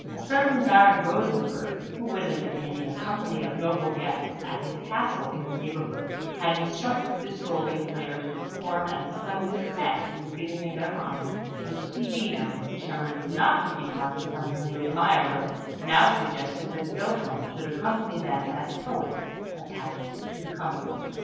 A certain Baron Rosenberg, who was entertaining a company of noble guests at his castle in the neighbourhood, had instructed the strolling players to perform at a splendid fête he was giving in their honour; and Filina, determined not to be parted from her new admirer, now suggested that Wilhelm should accompany them as poet attached to the company.